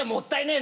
え？